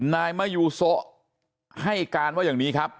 นายมะยูโซะให้การว่าอย่างนี้ครับ